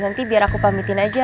nanti biar aku pamitin aja